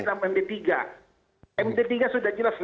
tidak ada di dalam md tiga md tiga sudah jelas